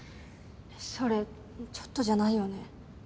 それちょっとじゃないよね。